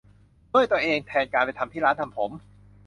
ด้วยตัวเองแทนการไปทำที่ร้านทำผม